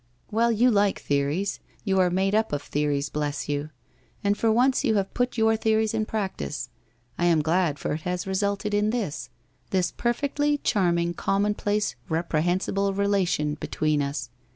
'Well, you like theories, you are made up of theories, bless you! And for once you have put your theories in practice. I am glad, for it has resulted in this — this per fectly charming commonplace reprehensible relation be tween us.